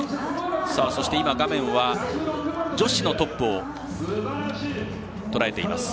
そして画面は、女子のトップをとらえています。